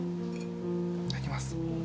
いただきます。